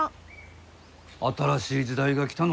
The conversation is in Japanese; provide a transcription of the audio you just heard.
新しい時代が来たのにか？